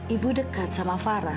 ibu dekat sama farah